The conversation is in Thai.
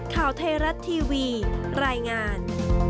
ข่าวไทยรัฐทีวีรายงาน